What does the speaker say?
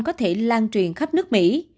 có thể lan truyền khắp nước mỹ